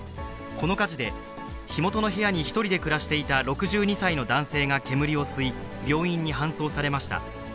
この火事で、火元の部屋に１人で暮らしていた６２歳の男性が煙を吸い、病院に搬送されました。